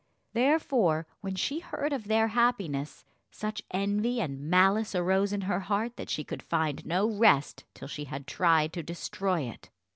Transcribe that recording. Therefore when she heard of their happiness, such envy and malice arose in her heart that she could find no rest till she had tried to destroy it.